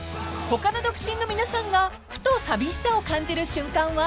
［他の独身の皆さんがふと寂しさを感じる瞬間は？］